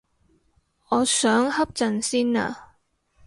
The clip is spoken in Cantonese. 我想瞌陣先啊